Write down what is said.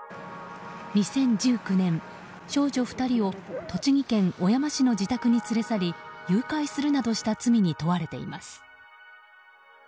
２０１９年、少女２人を栃木県小山市の自宅に連れ去り誘拐するなどした罪に問われています。